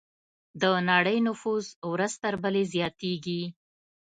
د نړۍ نفوس ورځ تر بلې زیاتېږي.